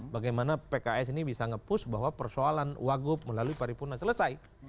bagaimana pks ini bisa nge push bahwa persoalan wagub melalui paripurna selesai